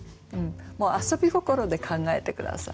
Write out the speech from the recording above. もう遊び心で考えて下さい。